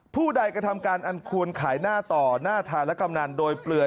ผู้ใดกระทำการอันควรขายหน้าต่อหน้าทานและกำนันโดยเปลือย